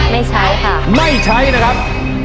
ไม่ใช้ค่ะไม่ใช้นะครับ